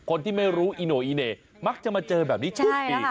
คนที่ไม่รู้อิโนอิเนมักจะมาเจอแบบนี้ปุ๊บอีก